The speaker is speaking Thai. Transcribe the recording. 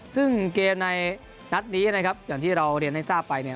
ซึ่งเกมในนัดนี้นะครับอย่างที่เราเรียนให้ทราบไปเนี่ย